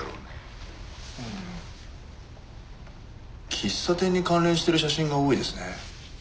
喫茶店に関連してる写真が多いですね。